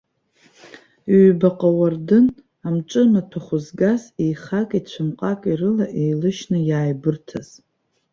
Ҩбаҟа уардын амҿы маҭәахә згаз, еихаки ҵәымҟаки рыла еилышьны иааибырҭаз.